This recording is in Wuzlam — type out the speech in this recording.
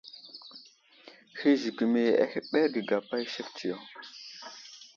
Hi zigəmi ahəɓerge gapa i sek tsiyo.